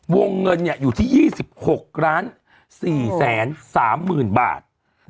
วงเงินเนี่ยอยู่ที่๒๖๔๓๐๐๐๐บาท